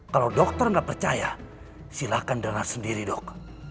kalau dokter gak percaya silahkan dengar sendiri dok